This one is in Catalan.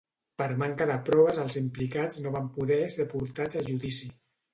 Per manca de proves els implicats no van poder ser portats a judici.